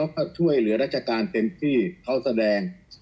เอกเขาช่วยหรือราชการเซ็นฟร์ที่ก็แสดง